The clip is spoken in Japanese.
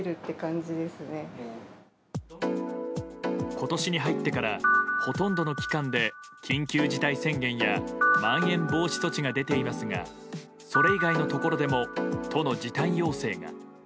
今年に入ってからほとんどの期間で緊急事態宣言やまん延防止措置が出ていますがそれ以外のところでも都の時短要請が。